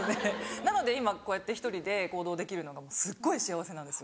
なので今こうやって１人で行動できるのがすっごい幸せなんですよ。